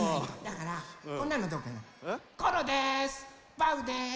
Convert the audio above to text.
バウです。